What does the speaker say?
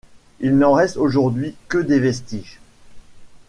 Il n'en reste aujourd'hui que des vestiges.